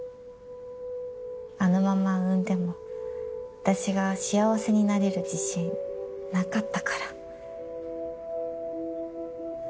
あのまま産んでも私が幸せになれる自信なかったから。